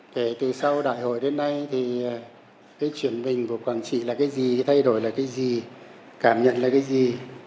kể từ sau đại hội đến nay thì cái chuyển mình của quảng trị là cái gì thay đổi là cái gì cảm nhận là cái gì